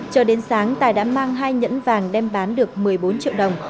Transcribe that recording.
cho đến sáng tài đã mang hai nhẫn vàng đem bán được một mươi bốn triệu đồng